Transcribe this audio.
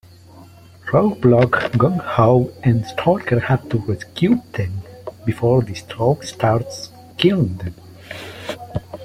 Roadblock, Gung-Ho and Stalker have to rescue them before Destro starts killing them.